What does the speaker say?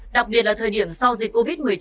đặc biệt là thời điểm sau dịch covid một mươi chín